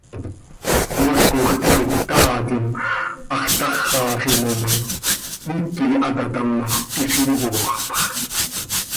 Cmaacoj ticop taaatim, hax táxaxim oo ma, iiqui hataatam ma, hizi yooxpx.